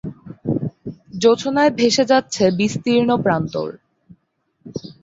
জোছনায় ভেসে যাচ্ছে বিস্তীর্ণ প্রান্তর।